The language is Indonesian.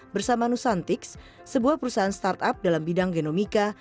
bersama nusantics sebuah perusahaan startup dalam bidang genomika